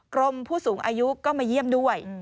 กรมผู้สูงอายุก็มาเยี่ยมด้วย